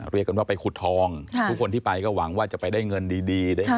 เรียกกันว่าไปขุดทองทุกคนที่ไปก็หวังว่าจะไปได้เงินดี